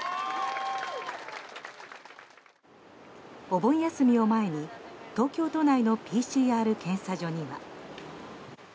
お盆休みを前に東京都内のＰＣＲ検査所には。